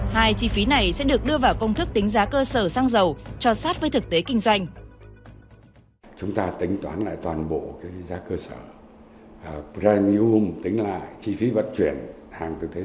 hai chi phí này sẽ được đưa vào công thức tính giá cơ sở xăng dầu cho sát với thực tế kinh doanh